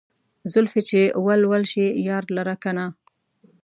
زلفې چې ول ول شي يار لره کنه